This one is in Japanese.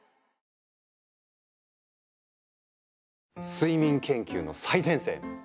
睡眠研究の最前線！